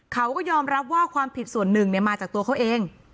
เขาก็ยอมรับว่าความผิดส่วนหนึ่งมาจากตัวเขาเอง